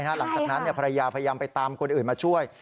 หลังจากนั้นภรรยาพยายามไปตามคนอื่นมาช่วย